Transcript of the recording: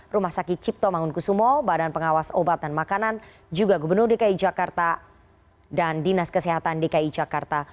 rumah sakit cipto mangunkusumo badan pengawas obat dan makanan juga gubernur dki jakarta dan dinas kesehatan dki jakarta